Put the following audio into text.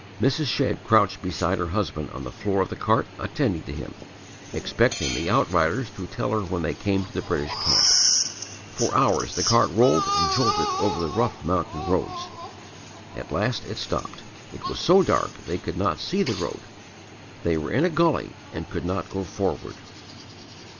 Mrs. Shedd crouched beside her husband on the floor of the cart attending to him, expecting the outriders to tell her when they came to the British Camp. For hours the cart rolled and jolted over the rough mountain roads. At last it stopped, it was so dark they could not see the road. They were in a gully and could not go forward.